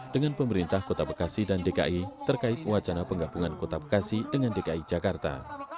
dengan pemerintah kota bekasi dan dki terkait wacana penggabungan kota bekasi dengan dki jakarta